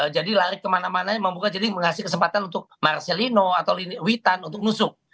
lari kemana mana membuka jadi mengasih kesempatan untuk marcelino atau witan untuk nusuk